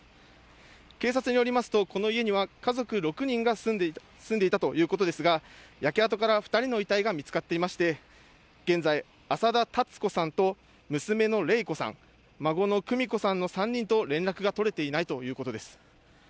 警察によりますと、この家には家族６人が住んでいたということですが、焼け跡から２人の遺体が見つかっていまして、現在、浅田多津子さんと娘の玲子さん、孫の久美子さんの３人と連絡が取れていないということです。